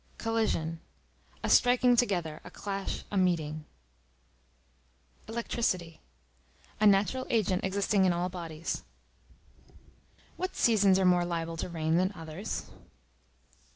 Collision, a striking together, a clash, a meeting. Electricity, a natural agent existing in all bodies (see page 18). What seasons are more liable to rain than others?